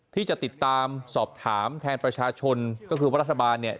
ที่จะติดตามสอบถามแทนประชาชนก็คือว่ารัฐบาลเนี่ย